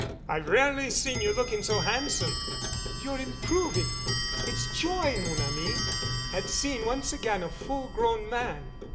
"I've rarely seen you looking so handsome." "You're improving. It's joy, mon ami, at seeing once again a full grown man.